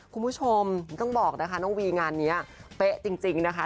คุณผู้ชมต้องบอกนะคะน้องวีงานนี้เป๊ะจริงนะคะ